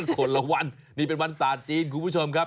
คนละวันนี่เป็นวันศาสตร์จีนคุณผู้ชมครับ